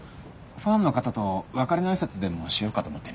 ファンの方と別れの挨拶でもしようかと思ってね。